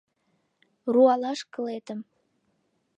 Руалаш кылетым.